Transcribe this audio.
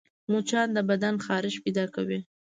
مچان د بدن خارښت پیدا کوي